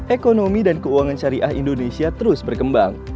ekonomi dan keuangan syariah indonesia terus berkembang